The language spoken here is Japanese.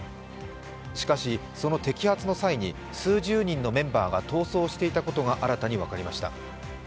しかしその摘発の際に数十人のメンバーが逃走していたことが新たに分かりました。